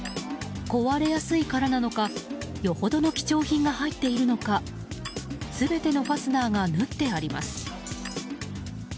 壊れやすいからなのかよほどの貴重品が入っているのか全てのファスナーが縫ってあります。